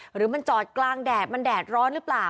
หรือมันจอดกลางแดดมันแดดร้อนหรือเปล่า